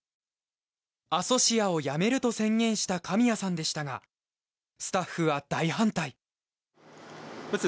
アソシアを辞めると宣言した神谷さんでしたがスタッフは大反対。